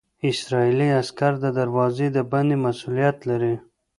اسرائیلي عسکر د دروازې د باندې مسوولیت لري.